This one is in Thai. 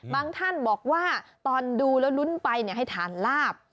ท่านบอกว่าตอนดูแล้วลุ้นไปให้ทานลาบ